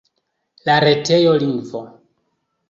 La retejo lingvo.